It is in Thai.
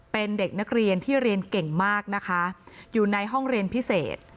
เป็นเด็กนักเรียนที่เรียนเก่งมากนะคะอยู่ในห้องเรียนพิเศษ